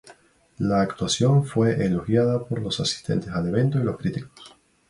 La actuación fue elogiada por los asistentes al evento y los críticos.